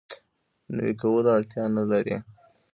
نوی کولو اړتیا نه لري.